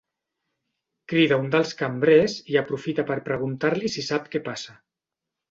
Crida un dels cambrers i aprofita per preguntar-li si sap què passa.